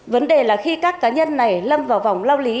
vấn đề là khi các cá nhân này lâm vào vòng lao lý